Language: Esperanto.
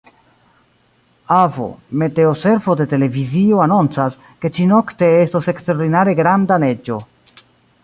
Avo, meteoservo de televizio anoncas, ke ĉi-nokte estos eksterordinare granda neĝo.